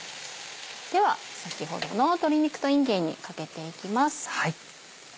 では先ほどの鶏肉といんげんにかけていきます。